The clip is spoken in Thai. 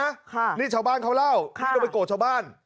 ค่ะมคนี่ชาวบ้านเขาเล่าไม่อยากโกรธชาวบ้าน